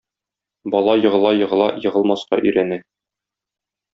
Бала егыла-егыла егылмаска өйрәнә.